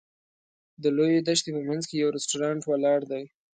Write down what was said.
د لویې دښتې په منځ کې یو رسټورانټ ولاړ دی.